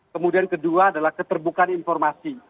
kemudian kedua adalah keterbukaan informasi